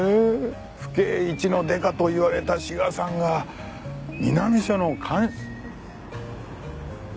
府警一のデカと言われた志賀さんが南署の鑑。